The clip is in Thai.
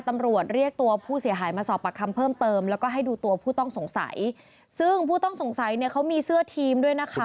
ตำรวจเรียกตัวผู้เสียหายมาสอบประคัมเพิ่มเติม